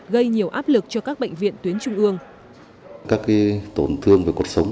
gây nhiều áp lực cho các bệnh viện tuyến trung ương